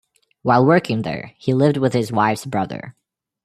While working there, he lived with his wife's brother.